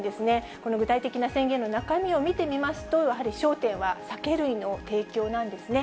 この具体的な宣言の中身を見てみますと、やはり焦点は酒類の提供なんですね。